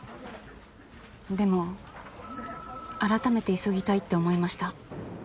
でも改めて急ぎたいって思いました。